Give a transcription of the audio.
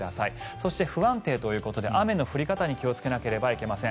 そして不安定ということで雨の降り方に気をつけなければいけません。